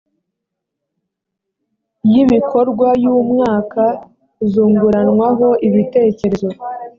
y ibikorwa y umwaka zunguranwaho ibitekerezo